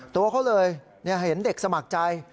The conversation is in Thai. ตัวเขาเลยเห็นเด็กสมัครใจ